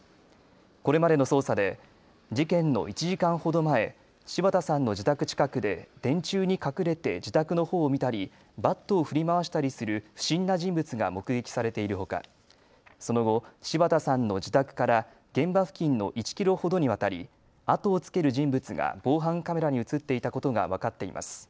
これまでの捜査で事件の１時間ほど前、柴田さんの自宅近くで電柱に隠れて自宅のほうを見たり、バットを振り回したりする不審な人物が目撃されているほか、その後、柴田さんの自宅から現場付近の１キロほどにわたり後をつける人物が防犯カメラに写っていたことが分かっています。